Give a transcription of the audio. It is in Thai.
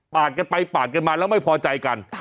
กันไปปาดกันมาแล้วไม่พอใจกัน